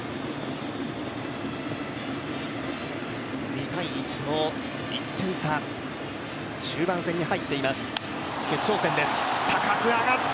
２−１と１点差、中盤戦に入っています